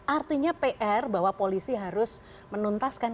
artinya pr bahwa polisi harus menuntaskan